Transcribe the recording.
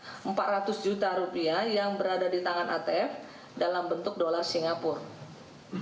ada empat ratus juta rupiah yang berada di tangan atf dalam bentuk dolar singapura